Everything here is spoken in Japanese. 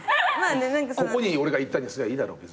ここに俺が行ったにすりゃいいだろ。